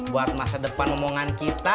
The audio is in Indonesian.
buat masa depan omongan kita